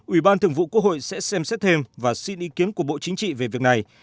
ủy ban thường vụ quốc hội sẽ xem xét thêm và xin ý kiến của bộ chính trị về việc này